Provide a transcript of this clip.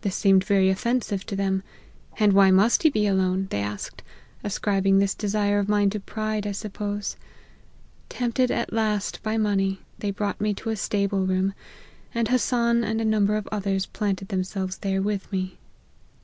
This seemed very offensive to them :' And why must he be alone ?' they asked ; ascribing this desire of mine to pride, I suppose. Tempted, at last, by money, they brought me to a stable room, and Hassan and a number of others planted themselves there with me.